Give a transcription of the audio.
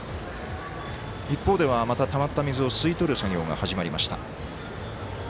一方ではたまった水を吸い取る作業が始まりました。